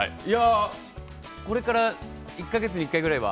これから１カ月に１回ぐらいは。